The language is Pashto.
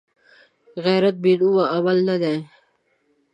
غیرت بېنومه عمل نه دی